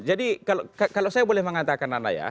jadi kalau saya boleh mengatakan nana ya